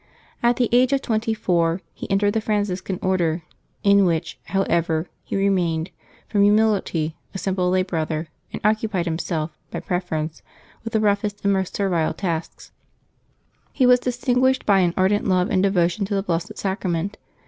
At the age of twenty four he entered the Franciscan Order, in May 18] LIVES OF THE SAINTS 183 which, however, he remained, from humility, a simple lay brother, and occupied himself, by preference, with the roughest and most servile tasks. He was distinguished by an ardent love and devotion to the Blessed Sacrament.